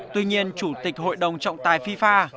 tuy nhiên chủ tịch hội đồng trọng tài fifa